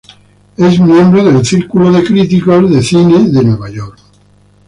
Es miembro del New York Film Critics Circle.